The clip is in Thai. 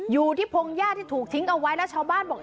พงหญ้าที่ถูกทิ้งเอาไว้แล้วชาวบ้านบอก